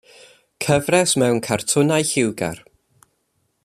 Cyfres mewn cartwnau lliwgar.